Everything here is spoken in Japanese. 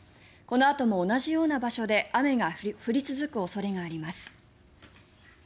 このあとも同じような場所で雨が降り続く恐れがあります。